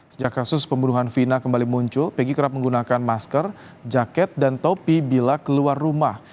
sejak kasus pembunuhan vina kembali muncul pegg kerap menggunakan masker jaket dan topi bila keluar rumah